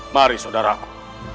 mari saudara aku